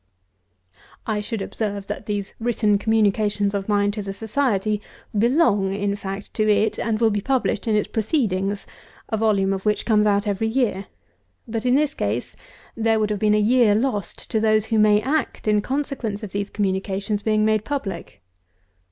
221. I should observe, that these written communications, of mine to the Society, belong, in fact, to it, and will be published in its PROCEEDINGS, a volume of which comes out every year; but, in this case, there would have been a year lost to those who may act in consequence of these communications being made public.